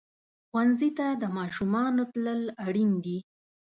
ښوونځي ته د ماشومانو تلل اړین دي.